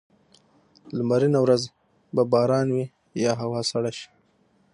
لمرینه ورځ به باران وي یا هوا سړه شي.